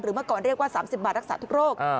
เมื่อก่อนเรียกว่า๓๐บาทรักษาทุกโรค